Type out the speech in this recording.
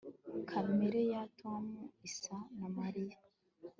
Kamere ya Tom isa na Mariya